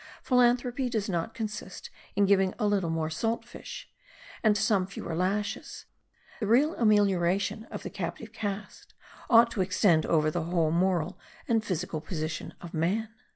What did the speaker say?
Philanthropy does not consist in giving a little more salt fish, and some fewer lashes: the real amelioration of the captive caste ought to extend over the whole moral and physical position of man.